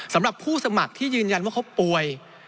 สำหรับผู้สมัครที่ยืนยันว่าเขาป่วย